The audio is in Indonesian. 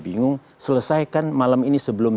bingung selesaikan malam ini sebelum